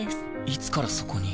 いつからそこに？